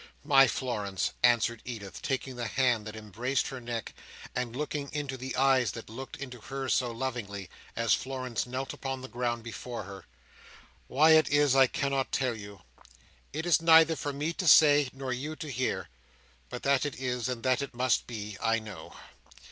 "My Florence," answered Edith, taking the hand that embraced her neck, and looking into the eyes that looked into hers so lovingly, as Florence knelt upon the ground before her; "why it is, I cannot tell you. It is neither for me to say, nor you to hear; but that it is, and that it must be, I know.